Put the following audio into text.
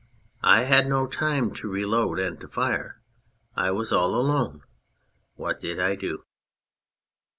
I had no time to reload and to fire. I was all alone. What did I do